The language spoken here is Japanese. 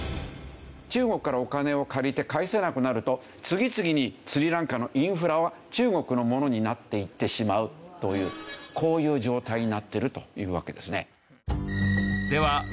中国からお金を借りて返せなくなると次々にスリランカのインフラは中国のものになっていってしまうというこういう状態になってるというわけですね。